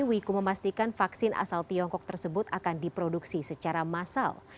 wiku memastikan vaksin asal tiongkok tersebut akan diproduksi secara massal